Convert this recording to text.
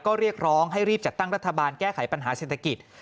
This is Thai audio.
ก็เรียกร้องให้รีบจัดตั้งรัฐบาลแก้ไขปัญหาเศรษฐกิจ